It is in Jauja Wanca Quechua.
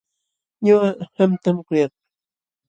Ñuqa qamtam kuyak.